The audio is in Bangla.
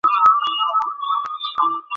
কিকো, সে বিজ্ঞান ক্রুদের একজন।